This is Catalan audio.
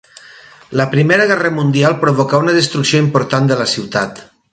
La Primera Guerra Mundial provocà una destrucció important de la ciutat.